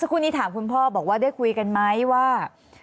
คู่นี้ถามคุณพ่อบอกว่าได้คุยกันไหมว่า